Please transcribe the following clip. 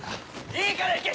いいから行け！